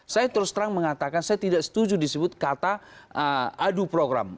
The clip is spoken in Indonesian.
saya terus terang mengatakan saya tidak setuju disebut kata adu program